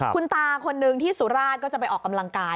คุณตาคนนึงที่สุราชก็จะไปออกกำลังกาย